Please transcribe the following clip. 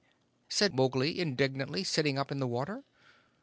said Mowgli indignantly, sitting up in the water.